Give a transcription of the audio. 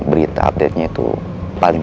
pikiran saya bercabang sekarang